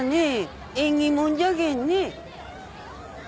縁起物じゃけんね。